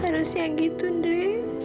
harusnya gitu ndre